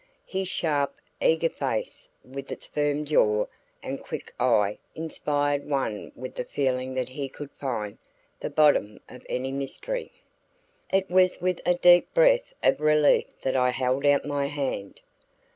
His sharp, eager face with its firm jaw and quick eye inspired one with the feeling that he could find the bottom of any mystery. It was with a deep breath of relief that I held out my hand.